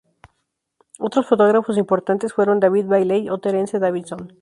Otros fotógrafos importantes fueron David Bailey o Terence Davison.